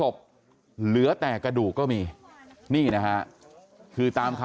พ่อขออนุญาต